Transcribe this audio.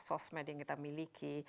sosmed yang kita miliki